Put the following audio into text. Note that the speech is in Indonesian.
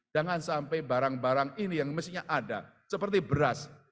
jangan sampai barang barang ini yang mestinya ada seperti beras